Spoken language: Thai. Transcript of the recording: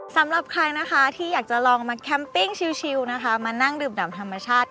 สำหรับใครที่อยากจะลองมาแคมป์ปิ้งชิวมานั่งดื่มหนังธรรมชาติ